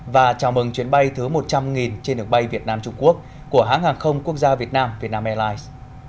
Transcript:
và chào mừng chuyến bay thứ một trăm linh trên đường bay việt nam trung quốc của hãng hàng không quốc gia việt nam vietnam airlines